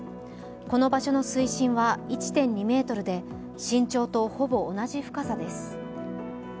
この場所の水深は１．２ｍで身長とほぼ同じ深さです。